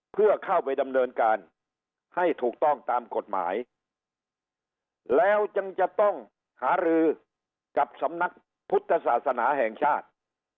เพื่อเข้าไปดำเนินการให้ถูกต้องตามกฎหมายแล้วจึงจะต้องหารือกับสำนักพุทธศาสนาแห่งชาติ